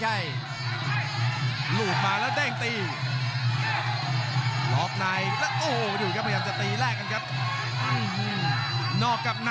หลังโดยศอกแล้วก็แลกด้วยมัด